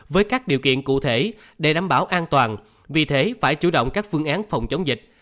với các điều kiện cụ thể để đảm bảo an toàn vì thế phải chủ động các phương án phòng chống dịch